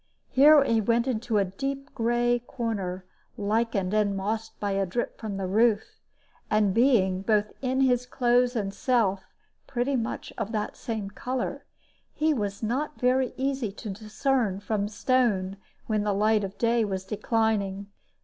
Here he went into a deep gray corner, lichened and mossed by a drip from the roof; and being, both in his clothes and self, pretty much of that same color, he was not very easy to discern from stone when the light of day was declining.